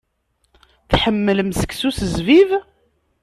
Tḥemmlem seksu s zzbib?